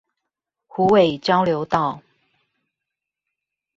虎尾交流道